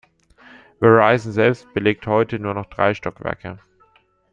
Verizon selbst belegt heute nur noch drei Stockwerke.